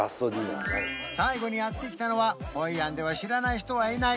最後にやって来たのはホイアンでは知らない人はいない